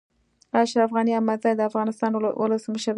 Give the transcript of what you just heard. اشرف غني احمدزی د افغانستان ولسمشر دی